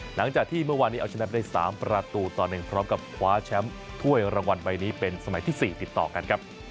หลังจากที่เมื่อวานนี้เอาชนะไป๓ประตูต่อ๑พร้อมกับคว้าแชมป์ถ้วยรางวัลใบนี้เป็นสมัยที่๔ติดต่อกันครับ